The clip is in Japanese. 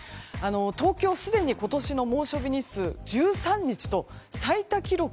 東京、すでに今年の猛暑日日数１３日と最多記録